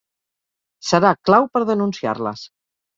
Serà clau per denunciar-les.